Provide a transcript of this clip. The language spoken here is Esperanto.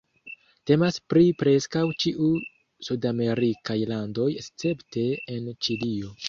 Temas pri preskaŭ ĉiu sudamerikaj landoj escepte en Ĉilio.